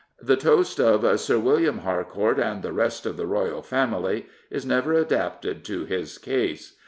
The toast of Sir William Harcourt and the rest of the Royal Family " is never adapted to his case.